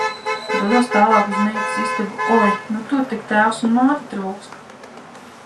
Dodos tālāk uz meitas istabu. Oi, nu tur tik tēvs un māte trūkst.